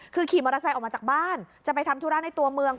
คือขี่มอเตอร์ไซค์ออกมาจากบ้านจะไปทำธุระในตัวเมือง